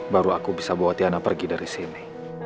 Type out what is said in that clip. baru aku bisa bawa tiana pergi dari sini